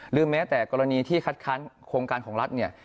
แม้แต่กรณีที่คัดค้านโครงการของรัฐเนี่ย